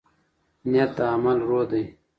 نیت د عمل روح دی.